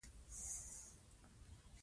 مالي سکتور د تحول په حال کې دی.